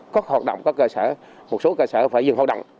các hoạt động có cơ sở một số cơ sở phải dừng hoạt động